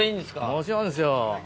もちろんですよ。